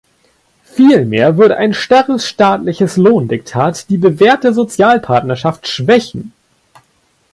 Vielmehr würde ein starres staatliches Lohndiktat die bewährte Sozialpartnerschaft schwächen.